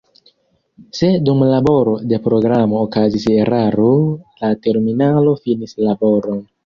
Se dum laboro de programo okazis eraro, la terminalo finis laboron.